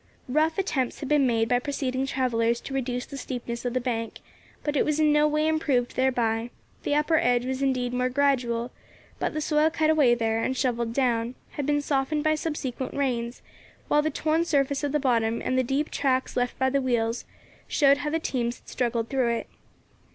Rough attempts had been made by preceding travellers to reduce the steepness of the bank, but it was in no way improved thereby; the upper edge was indeed more gradual, but the soil cut away there, and shovelled down, had been softened by subsequent rains, while the torn surface of the bottom, and the deep tracks left by the wheels, showed how the teams had struggled through it.